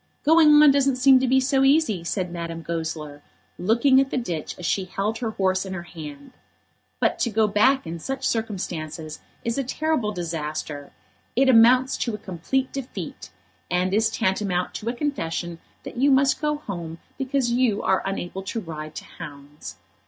"Going on doesn't seem to be so easy," said Madame Goesler, looking at the ditch as she held her horse in her hand. But to go back in such circumstances is a terrible disaster. It amounts to complete defeat; and is tantamount to a confession that you must go home, because you are unable to ride to hounds.